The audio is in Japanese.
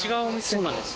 そうなんです。